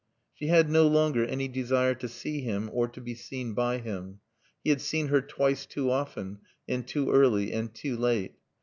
She had no longer any desire to see him or to be seen by him. He had seen her twice too often, and too early and too late.